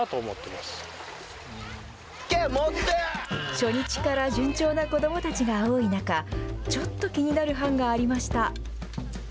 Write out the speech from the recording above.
初日から順調な子どもたちが多い中ちょっと気になる班がありました。